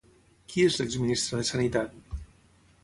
Qui és l'ex-ministre de Sanitat?